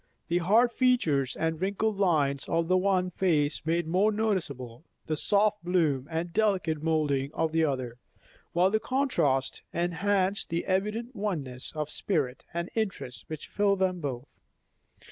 The hard features and wrinkled lines of the one face made more noticeable the soft bloom and delicate moulding of the other, while the contrast enhanced the evident oneness of spirit and interest which filled them both.